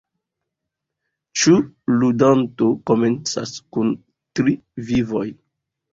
Ĉiu ludanto komencas kun tri vivoj.